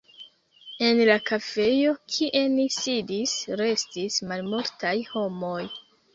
En la kafejo, kie ni sidis, restis malmultaj homoj.